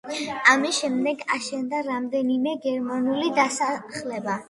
ამის შემდეგ აშენდა რამდენიმე გერმანული დასახლება.